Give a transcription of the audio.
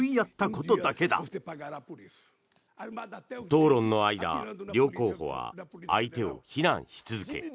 討論の間両候補は相手を非難し続け